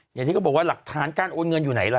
อย่างที่บอกว่าหลักฐานการโอนเงินอยู่ไหนล่ะ